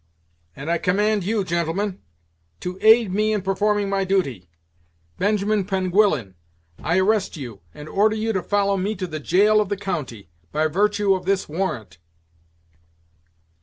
"And I command you, gentlemen, to aid me in performing my duty. Benjamin Penguillan I arrest you, and order you to follow me to the jail of the county, by virtue of this warrant."